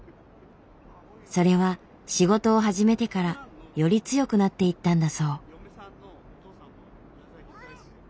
それは仕事を始めてからより強くなっていったんだそう。